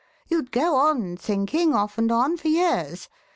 You'd go on thinking off and on for years.